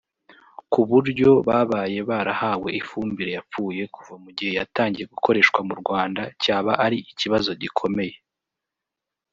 ku buryo babaye barahawe ifumbire yapfuye kuva mu gihe yatangiye gukoreshwa mu Rwanda cyaba ari ikibazo gikomeye